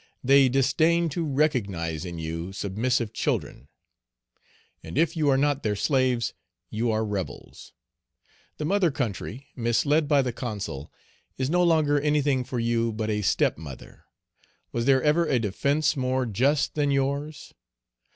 They disdain to recognize in you submissive children, and if you are not their slaves, you are rebels. The mother country, misled by the Consul, is no longer anything for you but a step mother. Was there ever a defence more just than yours?